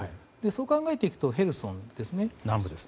そう考えていくとヘルソンですね。